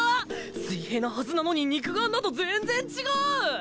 水平なはずなのに肉眼だと全然違う！